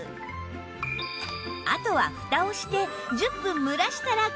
あとはふたをして１０分蒸らしたら完成